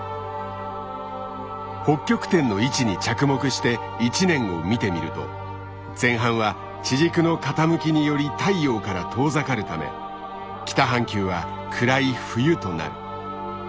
北極点の位置に着目して１年を見てみると前半は地軸の傾きにより太陽から遠ざかるため北半球は暗い冬となる。